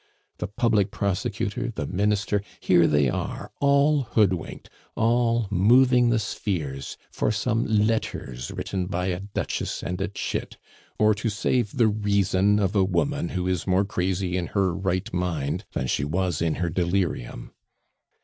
The public prosecutor, the minister here they are, all hoodwinked, all moving the spheres for some letters written by a duchess and a chit, or to save the reason of a woman who is more crazy in her right mind than she was in her delirium."